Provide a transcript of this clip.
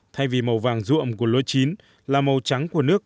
thay vì màu vàng ruộng của lúa chín là màu trắng của nước